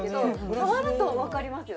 触ると分かりますよ